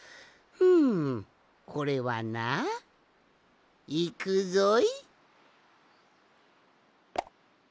んこれはないくぞい。